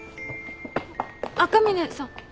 赤嶺さん。